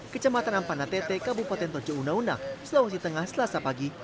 kecematan ampana tt kabupaten toja unauna sulawesi tengah setelah pagi